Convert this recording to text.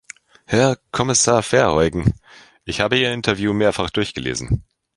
Herr Kommissar Verheugen, ich habe Ihr Interview mehrfach durchgelesen.